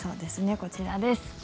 こちらです。